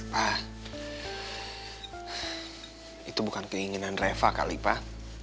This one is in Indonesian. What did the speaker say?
wah itu bukan keinginan reva kali pak